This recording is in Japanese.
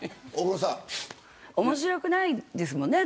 面白くないですもんね